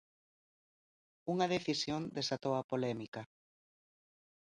Unha decisión desatou a polémica.